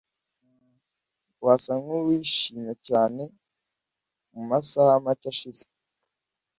Wasa nkuwishimye cyane mumasaha make ashize.